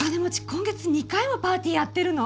今月２回もパーティーやってるの！？